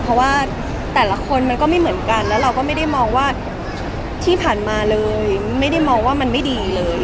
เพราะว่าแต่ละคนมันก็ไม่เหมือนกันแล้วเราก็ไม่ได้มองว่าที่ผ่านมาเลยไม่ได้มองว่ามันไม่ดีเลย